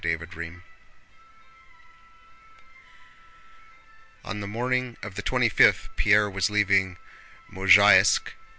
CHAPTER XX On the morning of the twenty fifth Pierre was leaving Mozháysk.